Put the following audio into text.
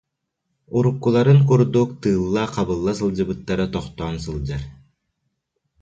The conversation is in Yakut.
Уруккуларын курдук тыылла-хабылла сылдьыбыттара тохтоон сылдьар